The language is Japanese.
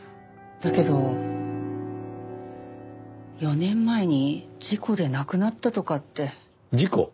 だけど４年前に事故で亡くなったとかって。事故？